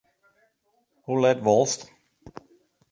Hoe let wolst?